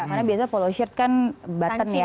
karena biasanya polo shirt kan batet ya kancing